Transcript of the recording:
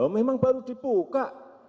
memang baru dipuka